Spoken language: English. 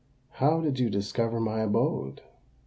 "How did you discover my abode?"